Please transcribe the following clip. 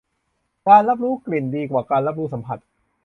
การรับรู้กลิ่นดีกว่าการรับรู้สัมผัส